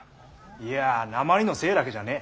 いやなまりのせえだけじゃねえ。